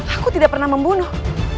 aku tidak pernah membunuh